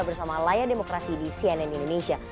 bersama layar demokrasi di cnn indonesia